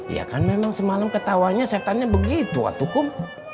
ya kan memang semalam ketawanya setannya begitu atu kum